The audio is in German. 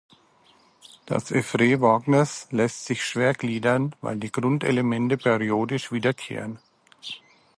Das Œuvre Wagners lässt sich schwer gliedern, weil die Grundelemente periodisch wiederkehren.